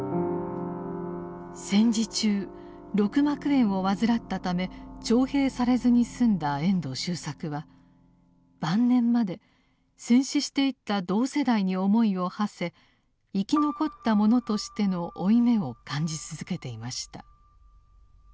戦時中肋膜炎を患ったため徴兵されずに済んだ遠藤周作は晩年まで戦死していった同世代に思いをはせ生き残った者としての負い目を感じ続けていました。